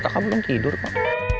kakak belum tidur kok